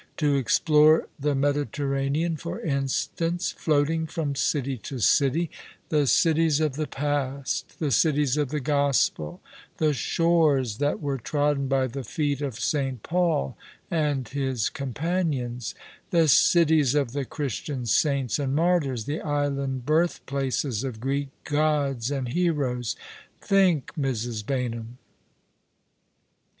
To explore tho Mediterranean, for instance, floating from city to city — tho cities of the jDast, the cities of the Gospel, the shores that were trodden by the feet of St. Paul and iiis companions — the cities of the Christian saints and martyrs, the island 1 birthplaces of Greek gods and heroes. Think, Mrs. Baynham